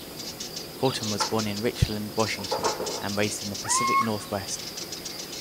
Horton was born in Richland, Washington, and raised in the Pacific Northwest.